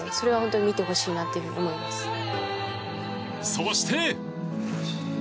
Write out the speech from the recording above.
そして。